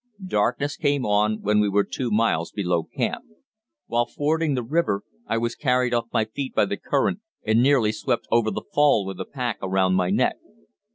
Darkness came on when we were two miles below camp. While fording the river, I was carried off my feet by the current and nearly swept over the fall with a pack around my neck.